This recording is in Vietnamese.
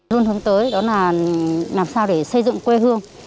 luôn hướng tới đó là làm sao để xây dựng quê hương